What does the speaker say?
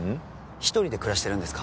１人で暮らしてるんですか？